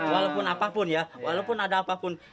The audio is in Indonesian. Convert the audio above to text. walaupun apapun ya walaupun ada apapun